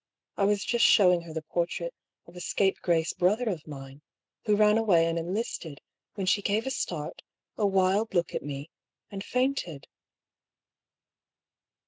I was just showing her the portrait of a scapegrace brother of mine, who ran away and en listed, when she gave a start — a wild look at me — and fainted."